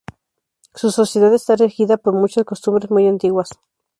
Su sociedad está regida por muchas costumbres muy antiguas.